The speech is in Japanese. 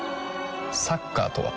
サッカーとは？